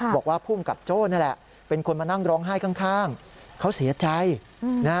บอกว่าภูมิกับโจ้นี่แหละเป็นคนมานั่งร้องไห้ข้างเขาเสียใจนะฮะ